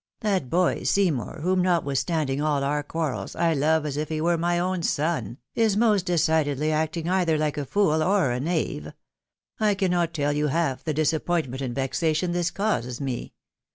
That boy Seymour, whom, notwithstanding all our quarrels, I love as if he were my own son, is most decidedly acting either hke a fool or a knave ; I cannot tell you half the disappointment and vexation this causes me.